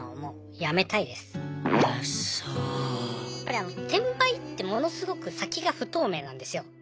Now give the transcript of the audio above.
やっぱり転売ってものすごく先が不透明なんですよ。